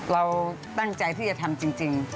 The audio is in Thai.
เราตั้งใจที่จะทำจริง